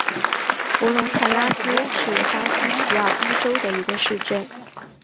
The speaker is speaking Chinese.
弗龙泰拉斯是巴西皮奥伊州的一个市镇。